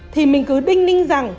thì mình cứ đinh ninh rằng